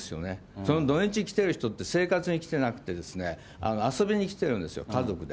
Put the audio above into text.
その土日、来てる人って、生活に来てなくて、遊びに来てるんですよ、家族で。